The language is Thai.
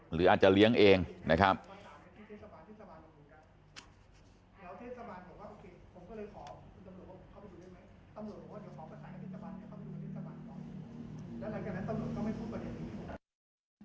หรืออาจจะเลี้ยงเองนะครับ